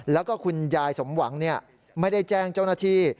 แล้วก็คุณยายสมหวังไม่ได้แจ้งเจ้าหน้าที่